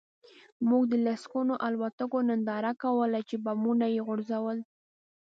موږ د لسګونو الوتکو ننداره کوله چې بمونه یې غورځول